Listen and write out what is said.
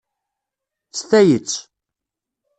S tayet.